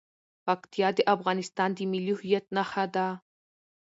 پکتیا د افغانستان د ملي هویت نښه ده.